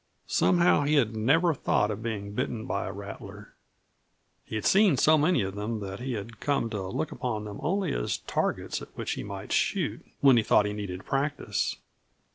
Somehow, he had never thought of being bitten by a rattler. He had seen so many of them that he had come to look upon them only as targets at which he might shoot when he thought he needed practice.